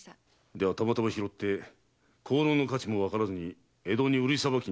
ではたまたま拾って香炉の価値もわからずに江戸に売りさばきに来たとみてよいようだな。